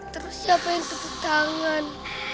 terus siapa yang tepuk tangan